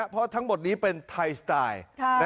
เพราะทั้งหมดนี้เป็นไทยสไตล์